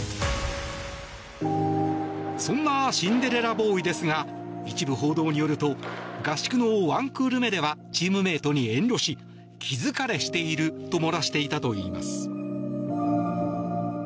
そんなシンデレラボーイですが一部報道によると合宿の１クール目ではチームメートに遠慮し気疲れしていると漏らしていたといいます。